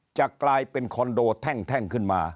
จะกลายเป็นคอนโดแท่งขึ้นมา